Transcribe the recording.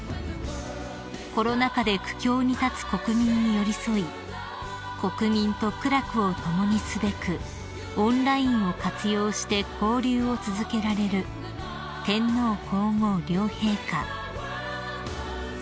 ［コロナ禍で苦境に立つ国民に寄り添い国民と苦楽を共にすべくオンラインを活用して交流を続けられる天皇皇后両陛下］